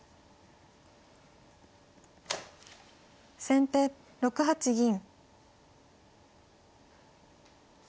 先手６八銀。